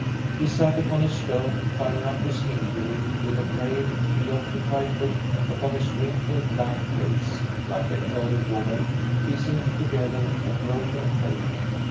He sat upon a stone, tying up his injury with a grave, preoccupied look upon his wrinkled black face, like an old woman piecing together a broken plate.